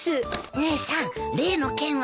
姉さん例の件は？